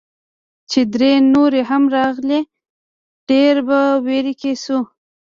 چې درې نورې هم راغلې، ډېر په ویره کې شوو.